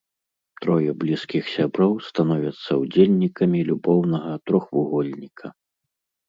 Трое блізкіх сяброў становяцца ўдзельнікамі любоўнага трохвугольніка.